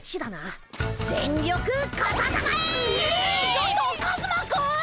ちょっとカズマくん！